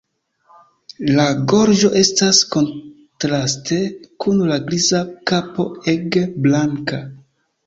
La gorĝo estas kontraste kun la griza kapo ege blanka.